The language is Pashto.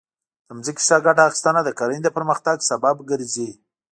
د ځمکې ښه ګټه اخیستنه د کرنې د پرمختګ سبب ګرځي.